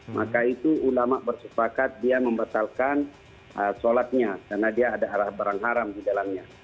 maka itu ulama bersepakat dia membatalkan sholatnya karena dia ada barang haram di dalamnya